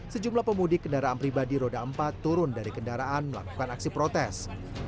sejumlah pemudik kendaraan pribadi roda empat turun dari kendaraan melakukan aksi protes